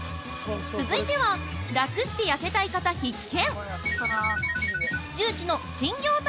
続いては、楽して痩せたい方必見。